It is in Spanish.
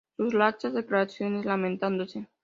Sus laxas declaraciones lamentándose